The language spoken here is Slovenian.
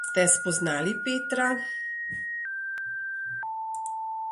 Ste spoznali Petra?